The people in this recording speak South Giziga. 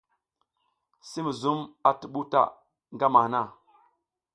Si muzum a tuɓuw ta ngama han.